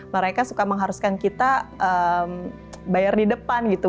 mereka suka mengharuskan kita bayar di depan gitu